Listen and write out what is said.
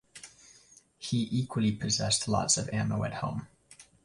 He equally possessed lots of ammo at home.